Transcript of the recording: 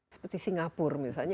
seperti singapura misalnya